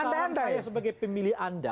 kalau sekarang saya sebagai pemilih anda